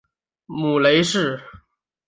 母雷氏。